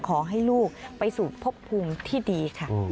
ขอให้ลูกไปสู่พบภูมิที่ดีค่ะ